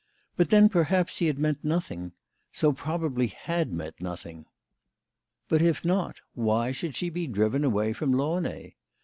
But then perhaps he had meant nothing so probably had meant nothing ! But if not, THE LADY OF LATJNAY. 127 why should she be driven away from Launay